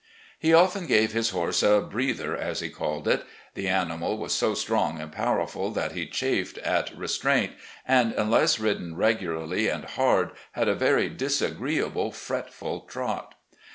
He often gave his horse a "breather, " as he called it. The animal was so strong and powerful that he chafed at restraint, and, unless ridden regularly and hard, had a very disagreeable, fretful trot.